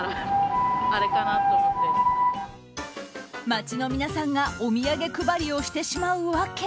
街の皆さんがお土産配りをしてしまう訳。